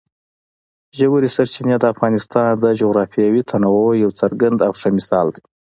ژورې سرچینې د افغانستان د جغرافیوي تنوع یو څرګند او ښه مثال دی.